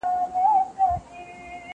باید د طبیعي سرچینو ساتنه وسي.